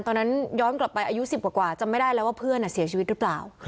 ย้อนกลับไปอายุ๑๐กว่าจำไม่ได้แล้วว่าเพื่อนเสียชีวิตหรือเปล่า